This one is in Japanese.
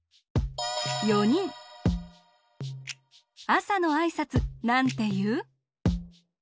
あさのあいさつなんていう？